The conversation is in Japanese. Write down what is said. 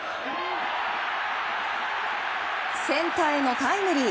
センターへのタイムリー。